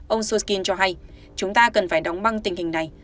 ông sukin cho hay chúng ta cần phải đóng băng tình hình này